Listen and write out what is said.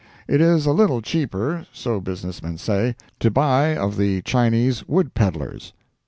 It is a little cheaper—so business men say—to buy of the Chinese wood peddlers.